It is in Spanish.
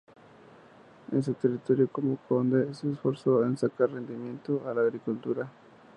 En su territorio, como conde, se esforzó en sacar rendimiento a la agricultura.